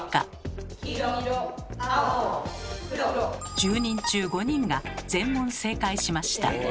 １０人中５人が全問正解しました。